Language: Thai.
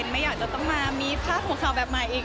ไม่อยากจะต้องมามีภาพหัวเขาแบบมาอีก